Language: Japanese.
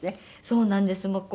そうなんです。